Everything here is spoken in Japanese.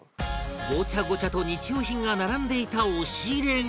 ごちゃごちゃと日用品が並んでいた押し入れが